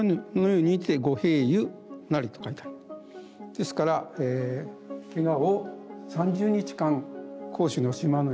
ですからけがを３０日間甲州の島の湯